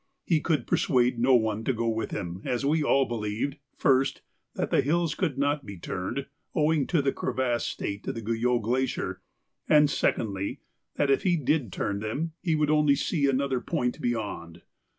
He could persuade no one to go with him as we all believed, first, that the hills could not be turned, owing to the crevassed state of the Guyot Glacier, and secondly, that if he did turn them he would only see another point beyond.